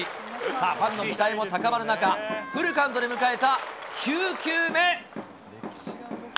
さあ、ファンの期待も高まる中、フルカウントで迎えた９球目。